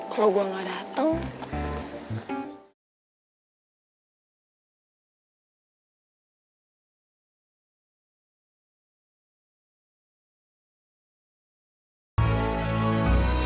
kalo gue gak dateng